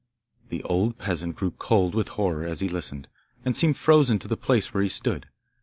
The old peasant grew cold with horror as he listened, and seemed frozen to the place where he stood.